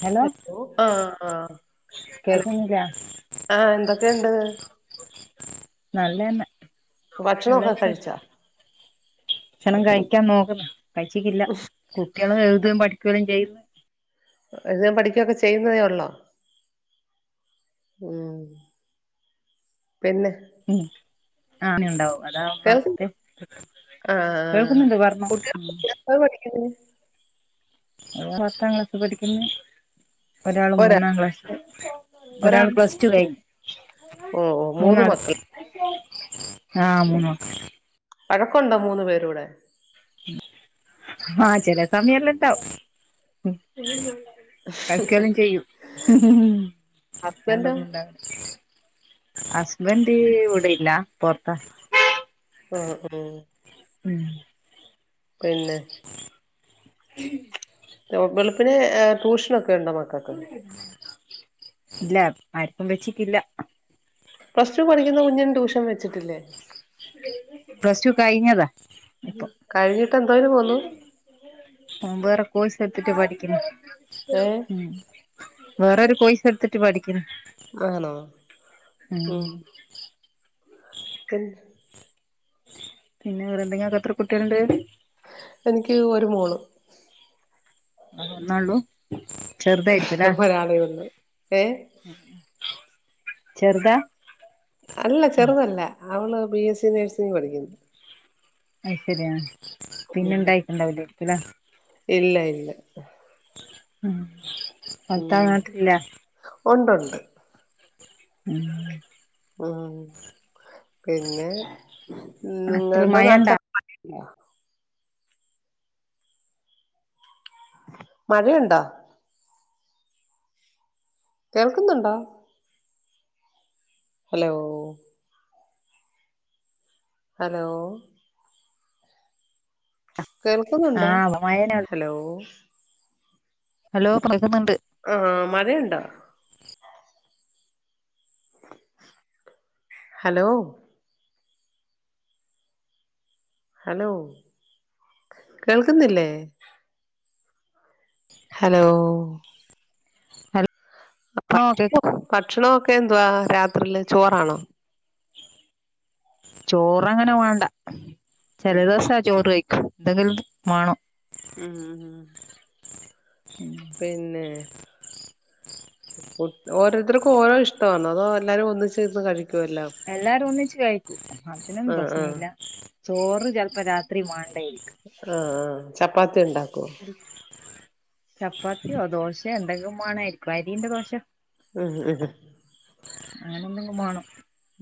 Hello ആഹ് ആഹ് കേക്കുന്നില്ല ആഹ് എന്തൊക്കെണ്ട്? നല്ലന്നെ നല്ല ഭക്ഷണൊക്കെ വിശേഷ- കഴിച്ചാ ക്ഷണം കഴിക്ക്യാൻ നോക്ക്ന്ന് കഴ്ച്ചിക്കില്ല. കുട്ടികൾ എഴുതുകയും പഠിക്കുകയും ചെയ്യും ഇത് ഞ പഠിക്ക്യൊക്കെ ചെയ്യുന്നതേ ഒള്ളോ? ഉം പിന്നെ ഉം ആന്യുണ്ടാവു. കേൾക്കുന്നു കേൾക്കുന്നുണ്ട് പറഞ്ഞോ എന്ത പഠിക്കുന്നെ [unintelligible] ത്താം ക്ലാസ് പഠിക്കുന്നെ. ഒരാള് ഒരാ മൂന്നാം ക്ലാസ്സ്ല് ഒരാൾ ഒരാള് പ്ലസ് ടു കഴി ഓഹ് ഓഹ് മൂന്ന് മൂന്നാള് മക്കള് ആ മൂന്നാള് വഴക്കുണ്ടോ മൂന്ന്പേരൂടെ. ആഹ് ചെല സമയല്ലുണ്ടാവും. കഴക്കലും ചെയ്യും ഹസ്ബൻഡോ കിക്കണ്ടന്നും ഇണ്ടാവില്ല ഹസ്ബൻഡ് ഇവിടില്ല പൊറത്താ ആഹ് ഉം ഉം പിന്നെ. ഉം. വെളുപ്പിന് ട്യൂഷനൊക്കെ ഉണ്ടോ മക്കൾക്ക് ഇല്ല ആർക്കും വച്ചിക്കില്ല പ്ലസ് ടു പഠിക്കുന്ന കുഞ്ഞിന് ട്യൂഷൻ വെച്ചിട്ടില്ലേ പ്ലസ്ടു കഴിഞ്ഞതാ ഇപ്പൊ കഴിഞ്ഞിട്ട് എന്തോന് പോന്നു വേറെ കോഴ്സ് എത്തിട്ട് പഠിക്കണ ഏഹ് വേറൊരു കോയ്സെടുത്തിട്ട് പഠിക്കിൻ. ആണോ? ഉം [unintelligible] പിന്നെ വേറെന്തെങ്കിലക്കെ എത്ര കുട്ടികളുണ്ട് എനിക്ക് ഒരു മോള് അഹ് ഒന്നേള്ളൂ ചെർതായിരിക്കുല്ലേ? ഒരാളേ ഉള്ളൂ ഏ ചെർതാ അല്ല ചെറുതല്ല അവള് ബി എസ് സി നേഴ്സിങ്ങിന് പഠിക്കുന്നു. അയ് ശര്യാ പിന്നെ ഉം ഇണ്ടായിട്ട്ണ്ടാവുല്ലേക്കുല്ലേ ഇല്ല ഇല്ല. ഉം പർത്താവ് ഉം നാട്ട്ലില്ലേ? ഉണ്ടുണ്ട് ഉഹ് ഉം പിന്നെ നാട്ടില് നിങ്ങളുടെ മഴണ്ടാ നാട്ടിലൊക്കെ മഴയുണ്ടോ? കേൾക്കുന്നുണ്ടോ? Hello hello. കേൾക്കുന്നുണ്ടോ ആഹ് മഴന്നെ ഹലോ ഹലോ കേക്കുന്നുണ്ട്. ആഹ് മഴയുണ്ടോ? ഹലോ ഹലോ കേൾക്കുന്നില്ലേ? ഹലോ ഹലോ കേക്ക് [unintelligible] ഭക്ഷണൊക്കെ എന്തുവാ രാത്രിയില് ചോറാണോ? ചോറ്ങ്ങനെ വേണ്ട ചില ദിവസാ ചോറ് കഴിക്കും എന്തെങ്കിലും വേണൊ ഉം ഉം ഉം പിന്നെ ഓരോരുത്തർക്കും ഓരോ ഇഷ്ടവാന്നോ അതോ എല്ലാരും ഒന്നിച്ചിരുന്ന് കഴിക്കോ എല്ലാം എല്ലാരും ഒന്നിച്ച് കഴിക്കു അതിനനൊന്നും ആഹ് പ്രശ്ന ആഹ് ഇല്ല ചോറ് ചിലപ്പോ രാത്രി മാണ്ടായിരിക്കും ആഹ് ഹ് ചപ്പാത്തി ഉണ്ടാക്കോ? ചപ്പാത്തിയോ ദോശയോ എന്തെങ്കിലും മാണായിരിക്കും അരീൻ്റെ ദോശ ഉം ഉം ഉം അങ്ങനെന്തെങ്കും മാണോ.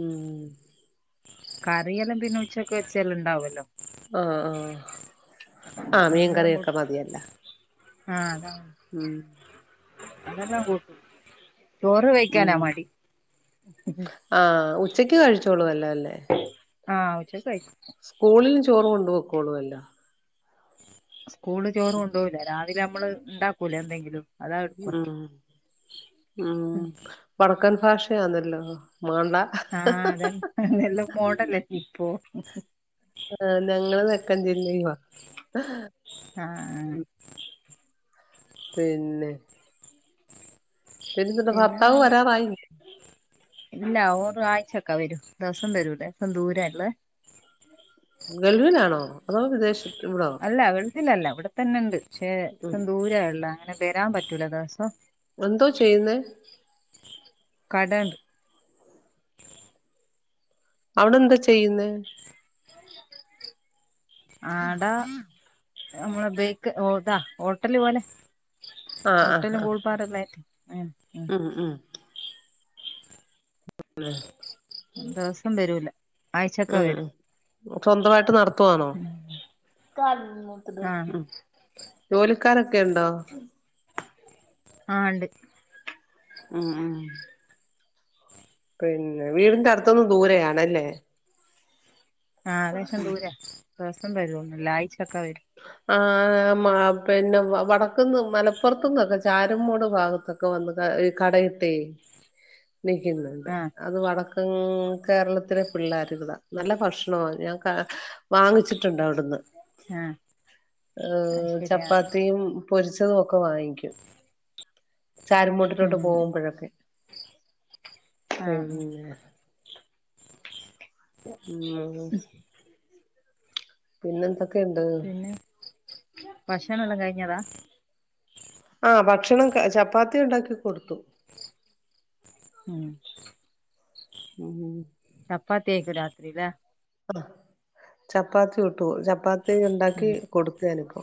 ഉം കറിയെല്ലാം പിന്നെ ഉച്ചക്ക് വെച്ചേല് ഉണ്ടാവല്ലോ ഹോ ഹോ ആഹ് അതെല്ലാം മീൻകറിയൊക്കെ കൊടുക്കും മതിയല്ല. ആഹ് അത ഉം അതെല്ലാ കൂട്ടും ചോറ് വെഴിക്കാനാ ഉം മടി. ആഹ് ഉച്ചയ്ക്ക് കഴിച്ചോളൂ അല്ലേ ല്ലേ. ആഹ് ഉച്ചയ്ക്ക് കൈ സ്കൂളിൽ ചോറ് കൊണ്ട്പോക്കോളൊല്ലോ. സ്കൂള് ചോറ് കൊണ്ടോകുലേ രാവിലെ നമ്മള് ഇണ്ടാക്കൂലെ എന്തെങ്കിലും. അതാ എടുക്കുവ ഉം ഉം വടക്കൻ ഭാഷയാന്നല്ലോ മാണ്ട ആഹ് അത അതെല്ലാം മോഡല ഇപ്പോ. ആഹ് ഞങ്ങള് തെക്കൻ ജില്ലയുവാ ആഹ് പിന്നെ പിന്നെന്തോണ്ട് പിന്നെ ഭർത്താവ് നല്ല വരാറായി. ഇല്ല ഓറ് ആഴ്ചക്കെ വരൂ ദിവസം വരൂല്ലെ ലേശം ദൂര ഉള്ളത് ഗൾഫിലാണോ അതോ വിദേശത്ത് ഇവിടോ? ല്ല വെളുഫിലല്ല ഇവിടെത്തന്നെണ്ട് ക്ഷേ ഉം ദൂരെ ഉള്ളെ അങ്ങനെ വരാപറ്റൂല ദേവ്സോ. എന്തോ ചെയ്യുന്നെ? കടേണ്ട്. അവിടെ എന്താ ചെയ്യുന്ന ആടാ നമ്മള് ബേക്ക് ഓട ഹോട്ടല് പോലെ. ആഹ് ഹോട്ടലും ആഹ് കൂൾപ്പാടെല്ലായിട്ട് ഉം ഉം ഉം അ് നെ ദവസം വരൂല. ആഴ്ചൊക്കെ ഉം വരും ഉം സ്വന്തമായിട്ട് നടത്തുവാണോ? ആഹ് ജോലിക്കാരൊക്കെ ഉണ്ടോ ആഹ് ഇണ്ട്. ആഹ് ആഹ് പിന്നെ വീടിന്റെ അടുത്തൊന്നു ദൂരയാണല്ലേ? ആ ആകാശം ദൂര ദിവസം വരോന്നൂല്ല ആഴ്ച്ചൊക്കെ വരും ആഹ് മ പിന്നെ വടക്ക്ന്ന് മലപ്പുറത്തുന്നൊക്കെ ചാരുംമൂട് ഭാഗത്ത്. ക്ക വന്ന് കടയിട്ടേ നിക്കുന്നുണ്ട് ആഹ് അത് വട ഉം കേരളത്തിലെ പിള്ളേര്ള്ള നല്ല ഭക്ഷണമാ ഞാ ക വാങ്ങിച്ചിട്ടുണ്ട് അവടുന്ന്. ആഹ് ഹ് അത് ശരി ആഹ് ചപ്പാത്തിയും പൊരിച്ചതും ഒക്കെ വാങ്ങിക്കും. ഉം ചാരമൂട്ടിലോട്ട് ഉം പോകുമ്പോഴൊക്കെ ആഹ് ആഹ് പിന്നെ ഉം പിന്നെന്താ? പിന്നെ ഭക്ഷണം എല്ലാം കഴിഞ്ഞതാ? ആഹ് ഭക്ഷണം ചപ്പാത്തി ഉണ്ടാക്കി കൊടുത്തു ഉം ഉം ചപ്പാത്തിയേക്കു രാത്രിലെ ആ ചപ്പാത്തി ഉട്ടു ചപ്പാത്തി ഉണ്ടാക്കി ഉം കൊടുത്തുഞാനിപ്പോ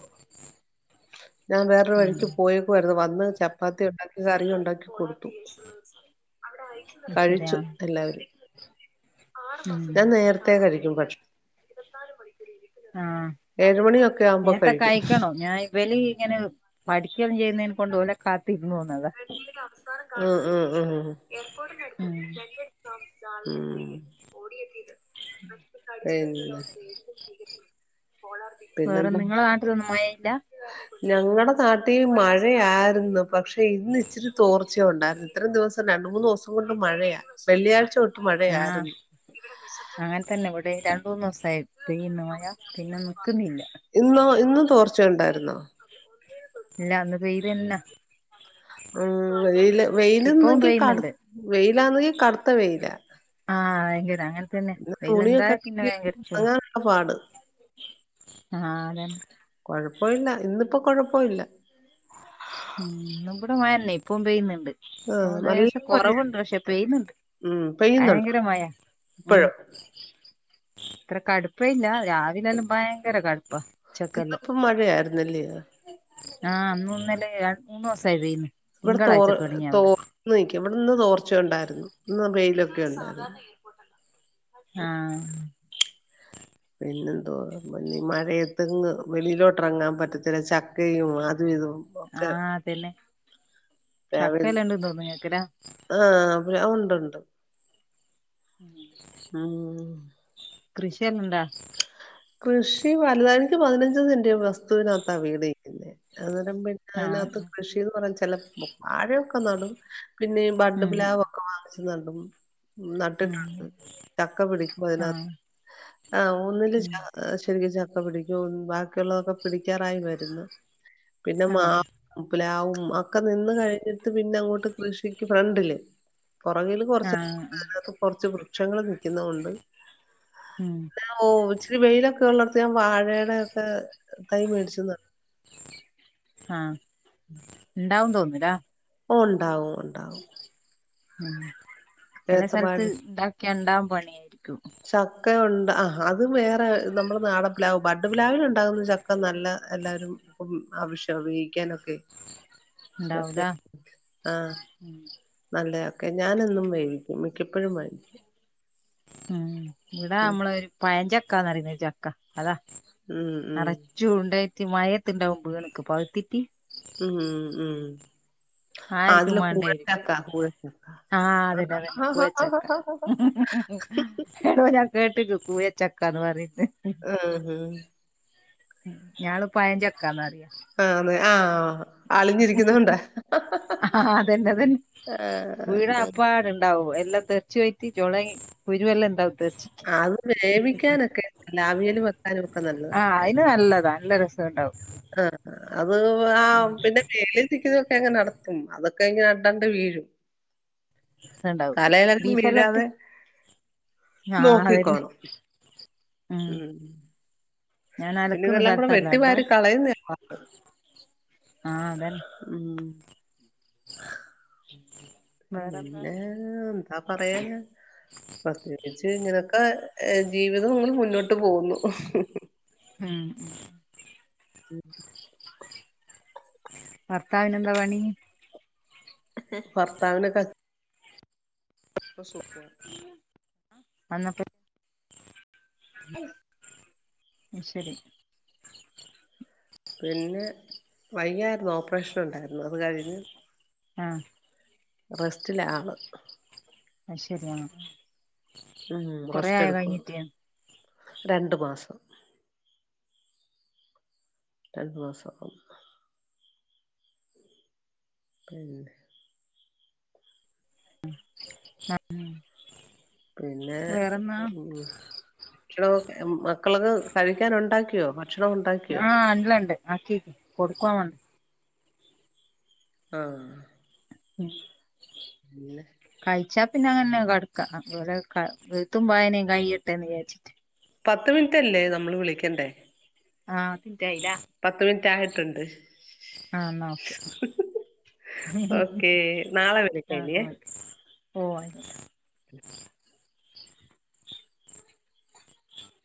ഞാ വേറൊരു ഉം വഴിക്ക് പോയ രുന്നു വന്ന് ചപ്പാത്തി ഉണ്ടാക്കി കറി ഉണ്ടാക്കി കൊടുത്തു. അത് ശരി കഴിച്ചു ആഹ് എല്ലാവരും ഉം ഞാൻ നേരത്തേ കഴിക്കും ഭക്ഷണം ആഹ് ഏഴുമണിയൊക്കെ ആവുമ്പോ നേത്തെ കഴിക്കും കഴിക്കണോ ഞാൻ ഇവല് ഇങ്ങനെ പഠിക്ക ചെയ്യുന്നേനെ കൊണ്ട് ഓല കാത്തിരുന്നുന്നതാ. ഉം ഉം ഉം ഉം ഏർപ്പോട്ട്ൻ്റെ അടുത്ത് ഉം [inaudible] [unintelligible] ഓടി എത്തിയത്. എൻ വേറെ പിന്നെന്താ? നിങ്ങളെ നാട്ടിലൊന്നും മഴയില്ല ഞങ്ങളടെ നാട്ടിൽ മഴയായിരുന്നു പക്ഷെ ഇന്ന് ഇച്ചിരി തോർച്ച ഉണ്ടായിരുന്നു ഇത്രം ദിവസം രണ്ട് മൂന്ന് ദിവസം കൊണ്ട് മഴയാ വെള്ളിയാഴ്ച തൊ ആഹ് അങ്ങനെ തന്നെ ഇവിടെ രണ്ട്, മൂന്ന് ദിവസായി. പെയ്യുന്ന് മഴ പിന്നെ നിക്കുന്നില്ല. ഇന്നോ ഇന്ന് തോർച്ചയുണ്ടായിരുന്നോ? ഇല്ലന്ന് വെയിലെന്ന ഉം വെയില് ഇപ്പവും വെയില്ന്നെങ്കി കടു പെയ്യുന്നുണ്ട് വെയിലാന്നെങ്കി കടുത്ത വെയിലാ ആഹ് വയങ്കര അങ്ങൻതന്നെ പിന്നെ വെയില്ണ്ടായ തുണിയൊക്കെ പിന്നെ വെയങ്കര ചുടാ. ഒണങ്ങാനുള്ള പാട് ആഹ് രൺ കുഴപ്പോല്ല ഇന്നിപ്പോ കൊഴപ്പമില്ല ഉം ഇന്നുമ്പടെ മഴല്ലെ ഇപ്പും പെയ്യുന്ന്ണ്ട് ആഹ് ഓഹ് നല്ല ലേശം മഴയാ കൊറവുണ്ട് പക്ഷെ പെയുന്നുണ്ട് ഉം പെയ്യുന്നുണ്ടോ ഭയങ്കര മയെ ഉം ഇപ്പഴും ഇത്ര കടുപ്പ ഇല്ല രാവിലെല്ലും ഭയങ്കര കട്പ്പ ഇന്നിപ്പൊ മഴയായിരുന്നല്ല്യെ ആഹ് അന്നുന്നലെ രണ്ട്മൂന്നൊസ തേനി ഇവടെ തോർ തോർന്നു നിക്ക ഇവടെന്ന് തോർച്ചയുണ്ടായിരുന്നു ഇന്ന് വെയിലൊക്കെയുണ്ട് ആഹ് പിന്നെന്തോ മണ്ണി മഴയത്ത്ന്ന് വെളയിലോട്ട് ഇറങ്ങാൻ പറ്റത്തില്ല ചക്കയും അതു ഇതും ഒക്കെ ആഹ് അതന്നെ ചക്കല്ലാണ്ട് തോന്നു കേക്കലാ ആഹാ പി ഉണ്ടുണ്ട് [inaudible] ആഹ് കൃഷിയല്ലണ്ടാ കൃഷി വലുതായിക്ക് പതിനഞ്ച് സെന്റ് വസ്തുവിനകത്താ വീടിവെക്കുന്നെ അത് അയിനകത്ത് ആഹ് കൃഷിന്ന് പറ ച്ചെല വാഴയൊക്കെനടും പിന്നെ ഉം ബഡ്ഡ്പ്ലാവ് ക്കെ വാങ്ങിച്ച് നടും ഉം നട്ടിട്ടുണ്ട് ചക്ക പിടിക്കും അതിനകത് ആഹ് ആഹ് ഒന്നില് ഉം ശരിക്കും ചക്ക പിടിക്കും ബാക്കിയുള്ളതൊക്കെ പിടിക്കാറായി വരുന്നു പിന്നെ മാ ആഹ് പ്പ്ലാവും ഒക്കെ നിന്ന്കഴിഞ്ഞിട്ട് പിന്നഅങ്ങോട്ട് കൃഷിക്ക് ഫ്രണ്ടില് പുറകില് ആഹ് കുറച്ചതിന കൊറച്ച് വൃക്ഷങ്ങള് നിക്കുന്നോണ്ട് ഉം ഓ ഇച്ചിരി വെയിലൊക്കെ ഒള്ളട്ത്ത് ഞാൻ വാഴയേടൊക്കെ തൈ മേടിച്ചുന്നു ആഹ് [inaudible] ഇണ്ടാവും തോന്നുലെ ഓ ണ്ടാവും ഉണ്ട ഉം ചെല ഏത്തവാഴ സെൽത്ത് താക്കിയണ്ടാവ പണിയായിരിക്കും ചക്ക ഉണ്ട അ അത് വേറെ നമ്മുടെ നാടപ്ലാവ് ബഡ്ഡ്പ്ലാവിലുണ്ടാകുന്ന ചക്ക നല്ല എല്ലാവരും ഇപ്പം ആവശ്യം ഉപയോഗിക്കാനൊക്കെ ഉണ്ടാവൂലാ [unintelligible] ആഹ് ഉം നല്ലചക്കെ ഞാനെന്നും വേവിക്കും മിക്കപ്പഴും വേവിക്കും അഹ് ഉം ഇവിടാമ്മള് പയഞ്ചക്കന്ന്റുന്ന ഒരു ചക്ക അതാ ഉം ഉം നറ ചൂണ്ടേയിറ്റ് മഴത്ത്ണ്ടാവും ബീണ്ക്ക് പയ്‌ത്തിറ്റി ഉം ഉം ആ ആരിക്കും തിലെ കൂയചക്ക വേണ്ടായിരിക്കും കൂയൻചക്ക ആഹ് അതന്നെ അതന്നെ കൂഴച്ചക്ക എടോ ഞാൻ കേട്ടിക്ക് പുയെചക്കാന്ന് പറയ്‌ന്ന ആഹ് ഹ് ഞാള് പയഞ്ചക്കന്നറിയ ആന്ന് ആഹ് അളിഞ്ഞിരിക്കുന്നോണ്ടാ ആ അതന്നെ അതന്നെ ആഹ് ഞ വീണാപ്പാടെ ഉണ്ടാവും എല്ലാം തെറിച്ച് പോയിട്ട് ചൊളി കുരുവല്ലാം ഉണ്ടാവോ തെർച്ച് അത് വേവിക്കാനൊക്കെ ലാവിയല് വെക്കാനൊക്കെ നല്ലതാണ് നല്ലത നല്ലരസ വേ ണ്ടാവും ആ അത് ആ പിന്നെ മേളിൽ ചിക്കിതൊക്കെ അങ്ങ നട ഉം അതൊക്കെ ഇങ്ങനെ അടർന്ന് വീഴും രസണ്ടാവും തലയിലൊന്നും ബീഫെല്ലാം വീഴാതെ ഇട്ട് ആഹ് അതന്നെ നോക്കിക്കോണം ഉം ഞാൻ പിന്നെ അലക്കുന്ന ഇതെല്ലാകൂടെ സ്ഥലത്തല്ല ഉള്ളെ വെട്ടിവാരി കളയുന്ന പാട് ആഹ് അതന്നെ ഉം [inaudible] പിന്നെ എന്താ പറയാ ഞാൻ പ്രത്യേകിച്ച് ഇങ്ങനൊക്കെ ജീവിതം മ്മള് മുന്നോട്ട് പോകുന്നു ആഹ് ഉം ഭർത്താവിനെന്ത പണി ഭർത്താവിനൊക്കെ [unintelligible] അന്നട്ട് ശരി പിന്നെ വയ്യായിരുന്നു ഓപ്പറേഷനുണ്ടായിരുന്നു അത് കഴിഞ്ഞ് ആഹ് റെസ്റ്റിലാള് ആഹ് ശരിയ ഉം കൊറേ റെസ്റ്റ് ആയോ എടുക്കുവ കഴിഞ്ഞിട്ട് രണ്ടു മാസം രണ്ടുന്നോസം അഹ് മ്മ പ്പ്ണ്ട് ആഹ് പിന്നെ ഉം ഉം അ ക്ഷണോ മക്കൾക്ക് കഴിക്കാൻ ഉണ്ടാക്കിയോ ഭക്ഷണം കൊണ്ടയി ആഹ് എല്ലണ്ട് ആക്കിക്ക് കൊടുക്കുവമണ്ട് ആഹ് ഉം പിന്നെ കഴിച്ചാ പിന്നെ അങ്ങനെ കടക്ക അതുപോലെ എഴുത്തും വായനേം കയിയട്ടെന്ന് വിചാര്ച്ചിട്ട് പത്ത് മിനിറ്റല്ലേ നമ്മള് വിളിക്കണ്ടേ ആഹ് തയ്ലേ പത്ത് മിനിറ്റ് ആയിട്ടുണ്ട് ആഹ് ന്നാ ഓക്കെ ഓക്കേ നാളെ വിളിക്കാം ഇനിയേ ആഹ് പോയതല്ല